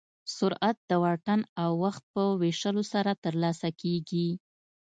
سرعت د واټن او وخت په ویشلو سره ترلاسه کېږي.